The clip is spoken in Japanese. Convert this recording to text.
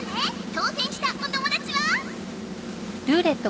当選したお友達は！？